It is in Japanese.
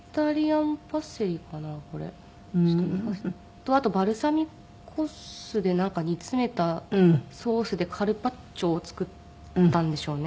とあとバルサミコ酢でなんか煮詰めたソースでカルパッチョを作ったんでしょうね。